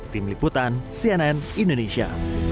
tim liputan cnn indonesia